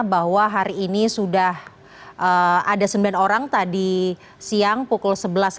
bahwa hari ini sudah ada sembilan orang tadi siang pukul sebelas